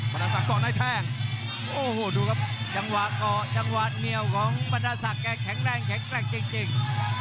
บรรดาศักดิ์เกาะในแท่งโอ้โหดูครับจังหวะเกาะจังหวะเหนียวของบรรดาศักดิ์แข็งแรงแข็งแกร่งจริง